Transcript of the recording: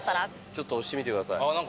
ちょっと押してみてください。